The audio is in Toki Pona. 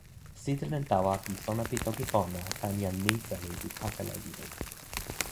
sitelen tawa pi sona pi toki pona tan jan Misali li pakala lili.